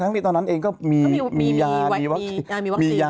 ทั้งที่ตอนนั้นเองก็มียามีวัคซีน